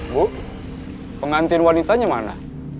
bu pengantin wanitanya mana